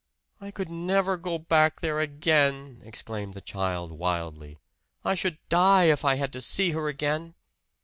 "I could never go back there again!" exclaimed the child wildly. "I should die if I had to see her again!"